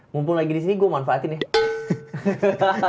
mumpung lagi disini gue manfaatin ya